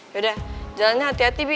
yaudah jalannya hati hati bi